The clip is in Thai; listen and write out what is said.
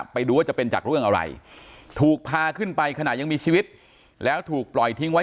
ไปดูว่าจะเป็นจากเรื่องอะไรถูกพาขึ้นไปขณะยังมีชีวิตแล้วถูกปล่อยทิ้งไว้